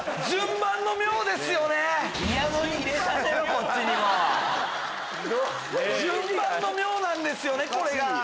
順番の妙なんですよねこれが。